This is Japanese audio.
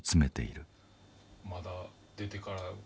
まだ出てから。